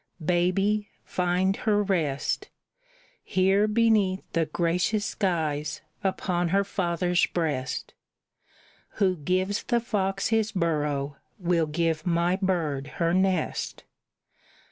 Baby, find her rest, Here beneath the gracious skies, upon her father's breast; Who gives the fox his burrow will give my bird her nest.